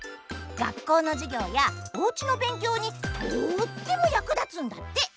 学校の授業やおうちの勉強にとっても役立つんだって！